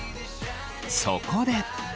そこで。